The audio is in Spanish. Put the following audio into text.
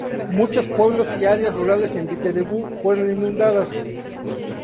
Muchos pueblos y áreas rurales en Viti Levu fueron inundadas.